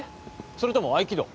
それとも合気道？